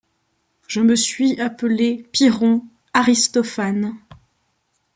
Je me suis appelé Pyrrhon, Aristophane